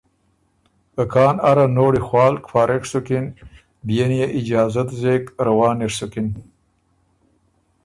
که کان اره نوړی خوالک، فارغ سُکِن، بيې ن يې اجازت زېک روان اِر سُکِن۔